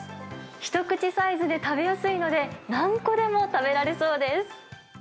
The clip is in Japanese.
一口サイズで食べやすいので、何個でも食べられそうです。